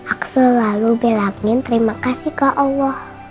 aku selalu bilangin terima kasih ke allah